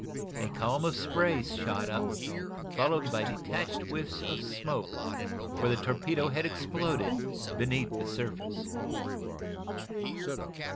A column of spray shot up, followed by detached whiffs of smoke, for the torpedo had exploded beneath the surface.